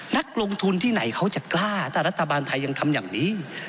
นักลงทุนที่ไหนเขาจะกล้าถ้ารัฐบาลไทยยังทำอย่างนี้